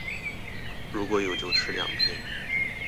如果有就吃兩片